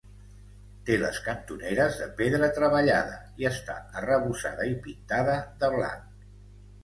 Té les cantoneres de pedra treballada i està arrebossada i pintada de blanc.